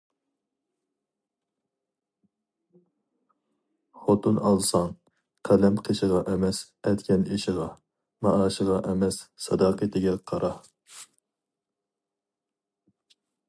خوتۇن ئالساڭ، قەلەم قېشىغا ئەمەس، ئەتكەن ئېشىغا، مائاشىغا ئەمەس، ساداقىتىگە قارا.